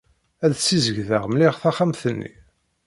Ad d-ssizedgeɣ mliḥ taxxamt-nni.